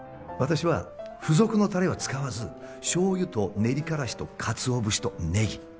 私は付属のたれは使わずしょうゆと練りからしとかつお節とネギ。